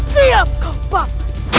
siap kau pak